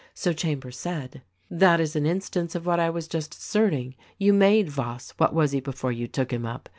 So Chambers said, "That is an instance of what I was just asserting. You made Yoss. What was he before you took him up